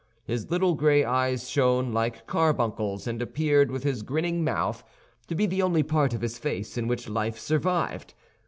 His little gray eyes shone like carbuncles, and appeared, with his grinning mouth, to be the only part of his face in which life survived.